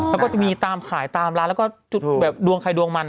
แล้วก็จะมีตามขายตามร้านแล้วก็จุดแบบดวงใครดวงมัน